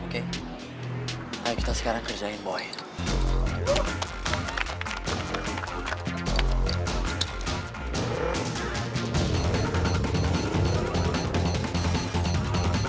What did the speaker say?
katanya perguruan kita diserang